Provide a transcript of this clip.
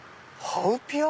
ハウピア？